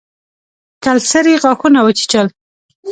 کلسري غاښونه وچيچل.